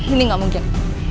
ini gak mungkin